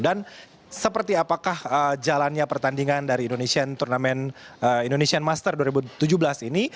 dan seperti apakah jalannya pertandingan dari indonesian master dua ribu tujuh belas ini